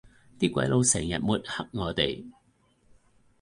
啲鬼佬成日抹黑我哋